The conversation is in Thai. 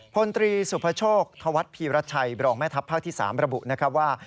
พลตรีสุภโชคธวัฒนภีรัชชัยบรองแม่ทัพภาคที่๓ระบุนะครับว่า